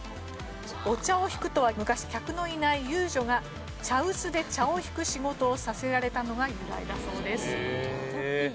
「お茶を挽く」とは昔客のいない遊女が茶臼で茶を挽く仕事をさせられたのが由来だそうです。